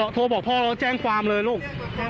โทรบอกพ่อแล้วแจ้งความเลยลูก